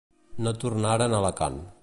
No tornaren a Alacant.